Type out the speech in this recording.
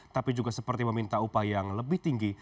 tapi juga seperti meminta upah yang lebih tinggi